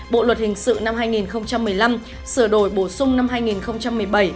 bộ luật hình sự năm hai nghìn một mươi năm sửa đổi bổ sung năm hai nghìn một mươi bảy